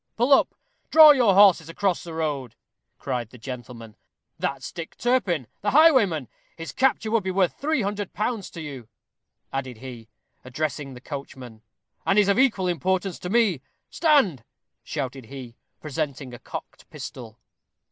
"Pull up draw your horses across the road!" cried the gentleman; "that's Dick Turpin, the highwayman. His capture would be worth three hundred pounds to you," added he, addressing the coachman, "and is of equal importance to me. Stand!" shouted he, presenting a cocked pistol.